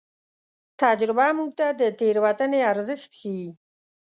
تجربه موږ ته د تېروتنې ارزښت ښيي.